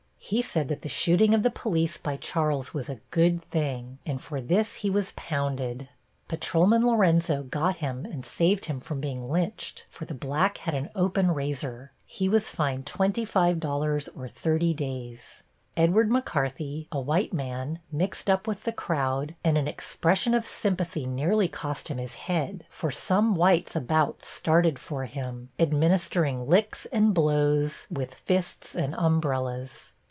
He said that the shooting of the police by Charles was a good thing, and for this he was pounded. Patrolman Lorenzo got him and saved him from being lynched, for the black had an open razor. He was fined $25 or thirty days." "Edward McCarthy, a white man, mixed up with the crowd, and an expression of sympathy nearly cost him his head, for some whites about started for him, administering licks and blows with fists and umbrellas.